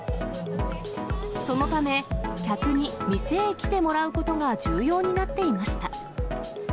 そのため、客に店へ来てもらうことが重要になっていました。